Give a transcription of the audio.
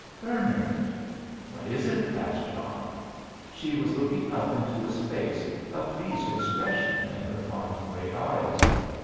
"Bernard!" "What is it?" asked John. She was looking up into his face, a pleased expression in her fine grey eyes.